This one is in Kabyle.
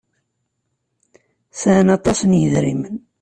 Sɛan aṭas n yedrimen.